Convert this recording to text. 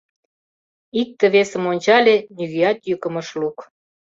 Иктым-весым ончале, нигӧат йӱкым ыш лук.